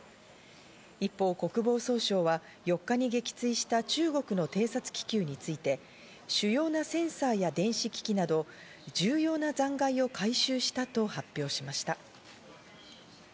一方、国防総省は４日に撃墜した中国の偵察気球について、主要なセンサーや電子機器など、重要な残骸を回収したと発表しました。